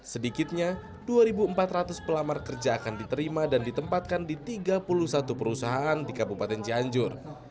sedikitnya dua empat ratus pelamar kerja akan diterima dan ditempatkan di tiga puluh satu perusahaan di kabupaten cianjur